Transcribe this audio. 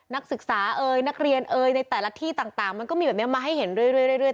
นักศึกษาเอ่ยนักเรียนเอ่ยในแต่ละที่ต่างมันก็มีแบบนี้มาให้เห็นเรื่อย